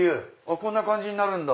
こんな感じになるんだ。